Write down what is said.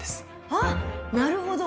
あっなるほど！